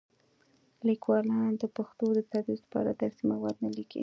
لیکوالان د پښتو د تدریس لپاره درسي مواد نه لیکي.